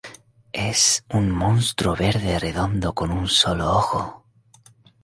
Es un monstruo verde redondo con un solo ojo.